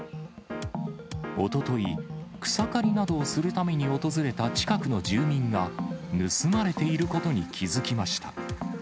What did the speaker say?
おととい、草刈りなどをするために訪れた近くの住民が、盗まれていることに気付きました。